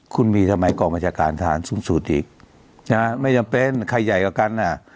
คุณมีทำไมกองบัญชาการทหาร๐๐อีกไม่จำเป็นใครใหญ่กว่ากันน่ะ